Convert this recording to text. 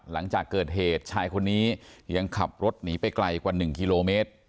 หลังจากเกิดเหตุชายคนนี้ยังขับรถหนีไปไกลกว่า๑กิโลเมตร